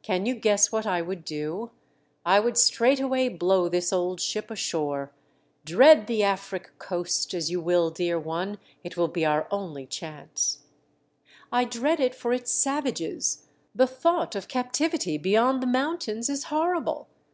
Can you guess what I would do ? I would straightway blow this old ship ashore. Dread the Afric coast z 335 THE DEATH SHIP. as you will, dear one, it will be our only chance." I dread it for its savages — the thought oi captivity beyond the mountains is horrible